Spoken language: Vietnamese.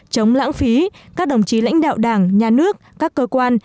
chống lãng phí các đồng chí lãnh đạo đảng nhà nước các cơ quan